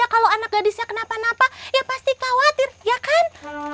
kalau anak gadisnya kenapa napak ya pasti khawatir ya kan